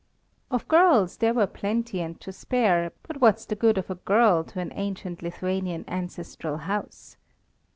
Of girls there were plenty and to spare, but what's the good of a girl to an ancient Lithuanian ancestral house?